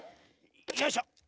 よいしょ！